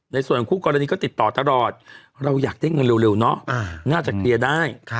ในส่วนของคู่กรณีก็ติดต่อตลอดเราอยากได้เงินเร็วเนอะน่าจะเคลียร์ได้